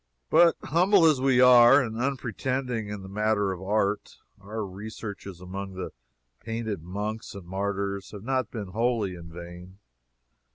But humble as we are, and unpretending, in the matter of art, our researches among the painted monks and martyrs have not been wholly in vain.